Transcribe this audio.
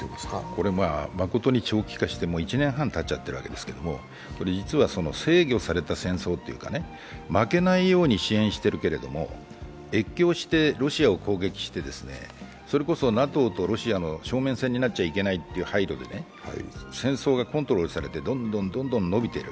これ、まことに長期化して１年半たっちゃってるわけですけど、実は制御された戦争というかね、負けないように支援しているけれども、越境してロシアを攻撃してＮＡＴＯとロシアの正面戦になってはいけないという配慮で戦争がコントロールされて、どんどん延びている。